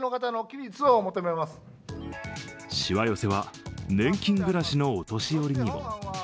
しわ寄せは年金暮らしのお年寄りにも。